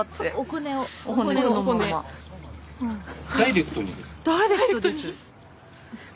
ダイレクトにですか？